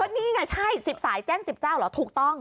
ก็นี่ไงใช่สิบสายแจ้งสิบเจ้าเหรอถูกต้อง